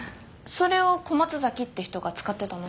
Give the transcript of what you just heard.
それを小松崎って人が使ってたの？